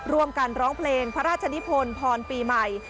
ร้องกันร้องเพลงพระราชนิพลพรปีใหม่